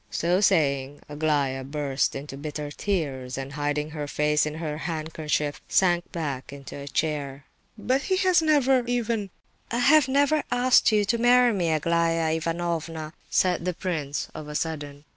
So saying, Aglaya burst into bitter tears, and, hiding her face in her handkerchief, sank back into a chair. "But he has never even—" "I have never asked you to marry me, Aglaya Ivanovna!" said the prince, of a sudden.